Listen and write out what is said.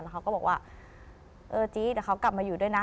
เขาก็บอกว่าเออจี้เดี๋ยวเขากลับมาอยู่ด้วยนะ